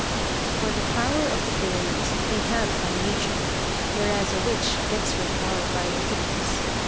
For the power of the fairies they have by nature; whereas a witch gets her power by wickedness.